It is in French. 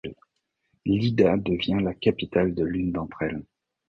Lida devient la capitale de l'une d'entre elles.